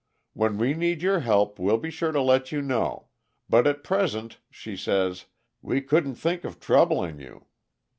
'When we need your help, we'll be sure to let you know but at present,' she says, 'we couldn't think of troubling you.'